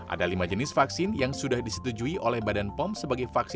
ada lima jenis vaksin yang sudah disetujui oleh badan pom sebagai vaksin